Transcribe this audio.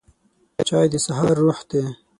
چای د سهار روح دی